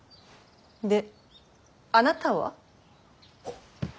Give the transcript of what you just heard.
であなたは。